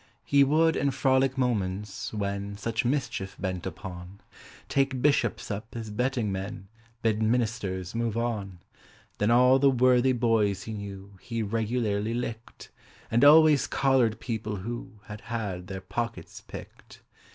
He would in frolic moments, when Such mischief bent upon, Take Bishops up as betting men Bid Ministers move on. Then all the worthy boys he knew He regularly licked, And always collared people who Had had their pockets picked.